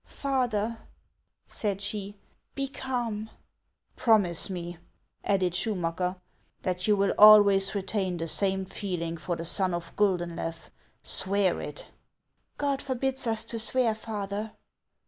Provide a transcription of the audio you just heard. " Father; ' said she, " be calm !"" Promise me," added Schumacker, " that you will always retain the same feeling for the son of Guldeulew. Swear it !"" God forbids us to swear, father."